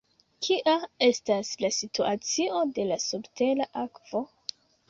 Kia estas la situacio de la subtera akvo?